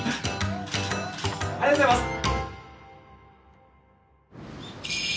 ありがとうございます！